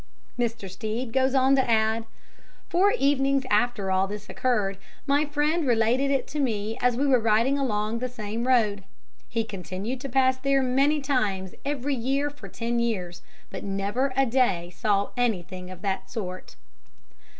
"'" Mr. Stead goes on to add: "Four evenings after all this occurred my friend related it to me as we were riding along the same road. He continued to pass there many times every year for ten years, but never a day saw anything of that sort."